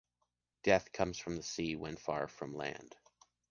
Death comes from the sea when far from land.